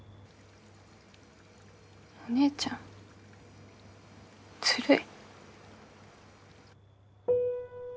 お姉ちゃんずるい。